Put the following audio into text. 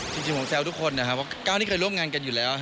ชีวิตของแซวทุกคนนะครับก้าวนี่ก็เงียบงานกันอยู่แล้ว